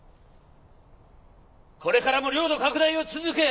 これからも領土拡大を続け